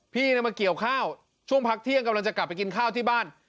พี่มาเกี่ยวข้าวช่วงพักเที่ยงกำลังจะกลับไปกินข้าวที่บ้าน